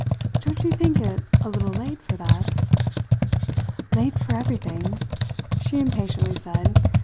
"Don't you think it a little late for that?" "Late for everything!" she impatiently said.